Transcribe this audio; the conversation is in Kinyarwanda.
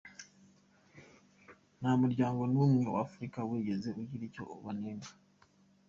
Nta n’umuryango n’umwe wa Afurika wigeze ugira icyo ubanenga.